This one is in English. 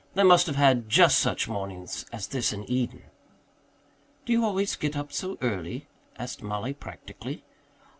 They must have had just such mornings as this in Eden." "Do you always get up so early?" asked Mollie practically.